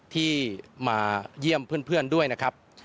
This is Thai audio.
ที่มาเยี่ยมเพื่อนด้วยนะครับ